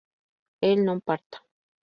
él no parta